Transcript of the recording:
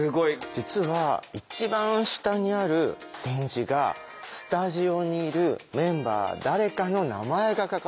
実は一番下にある点字がスタジオにいるメンバー誰かの名前が書かれているんです。